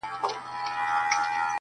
یو سړی وو خدای په ډېر څه نازولی,